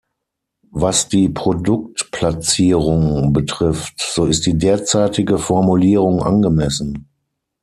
Was die Produktplatzierung betrifft, so ist die derzeitige Formulierung angemessen.